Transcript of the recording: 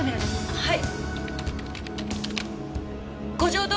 はい！